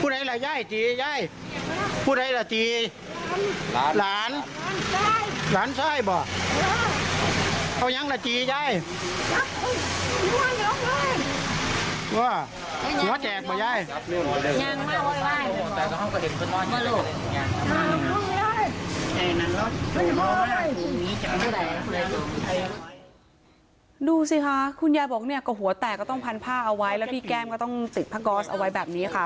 ดูสิค่ะคุณยายบอกเนี่ยก็หัวแตกก็ต้องพันผ้าเอาไว้แล้วพี่แก้มก็ต้องติดผ้าก๊อสเอาไว้แบบนี้ค่ะ